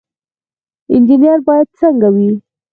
انجنیر باید څنګه وي؟